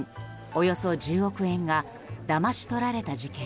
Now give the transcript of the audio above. およそ１０億円がだまし取られた事件。